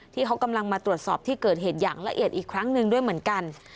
ที่เขากำลังมาตรวจสอบที่เกิดเหตุอย่างละเอียดอีกครั้งหนึ่งด้วยเหมือนกัน